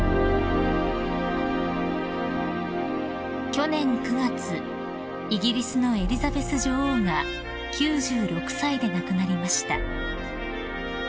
［去年９月イギリスのエリザベス女王が９６歳で亡くなりました］